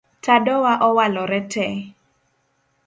Tadowa owalore tee